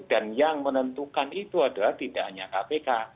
dan yang menentukan itu adalah tidak hanya kpk